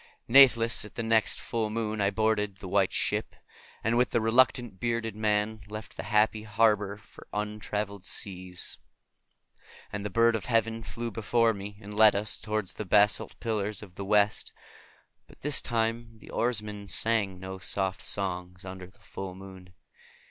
Natheless at the next full moon I boarded the White Ship, and with the reluctant bearded man left the happy harbor for untraveled seas. And the bird of heaven flew before, and led us toward the basalt pillars of the West, but this time the oarsmen sang no soft songs under the full moon.